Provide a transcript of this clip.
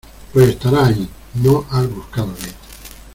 Pues estará ahí. No has buscado bien .